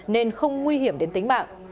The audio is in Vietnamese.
nên không nguy hiểm đến tính mạng